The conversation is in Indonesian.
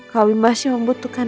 kami masih membutuhkan